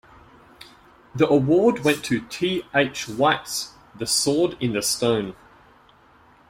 The award went to T. H. White's "The Sword in the Stone".